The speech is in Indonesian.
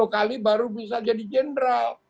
sepuluh kali baru bisa jadi general